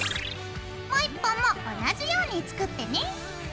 もう１本も同じように作ってね。